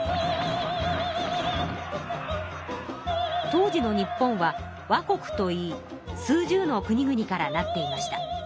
当時の日本は倭国といい数十のくにぐにから成っていました。